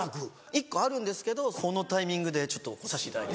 １個あるんですけどこのタイミングでちょっと来させていただいて。